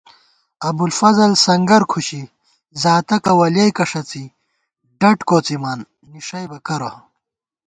ابُوالفضل سنگر کھُشی، زاتَکہ ولیَئیکہ ݭڅِی ڈٹ کوڅِمان، نِݭَئیبہ کرہ